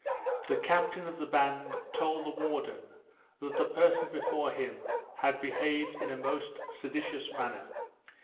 The captain of the band told the warden that the person before him had behaved in a most seditious manner.